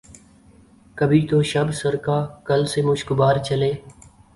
کبھی تو شب سر کاکل سے مشکبار چلے